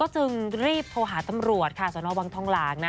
จึงรีบโทรหาตำรวจค่ะสนวังทองหลางนะ